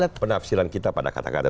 itu masalah penafsiran kita pada kata kata